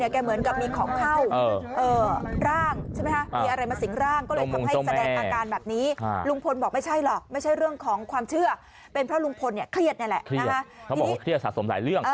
เครียดเค้าบอกว่าเครียดสะสมหลายเรื่อง